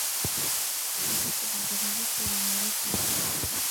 একে তো বাজেভাবে ছুরি মেরেছিস।